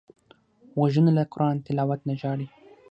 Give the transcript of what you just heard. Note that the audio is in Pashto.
غوږونه له قران تلاوت نه ژاړي